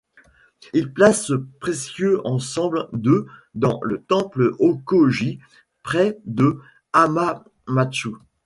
Il place ce précieux ensemble de dans le temple Hōkō-ji, près de Hamamatsu.